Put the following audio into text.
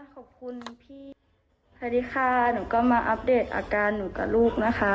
สวัสดีค่ะหนูก็มาอัปเดตอาการหนูกับลูกนะคะ